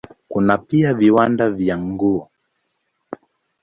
Kuna pia viwanda vya nguo.